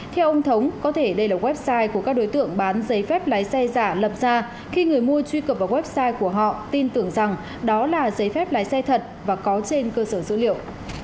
theo ông thống có thể đây là website của các đối tượng bán giấy phép lái xe giả lập ra khi người mua truy cập vào website của họ tin tưởng rằng đó là giấy phép lái xe thật và có trên cơ sở dữ liệu